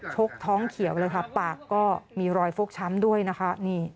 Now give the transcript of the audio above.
ชกท้องเขียวเลยค่ะปากก็มีรอยฟกช้ำด้วยนะคะ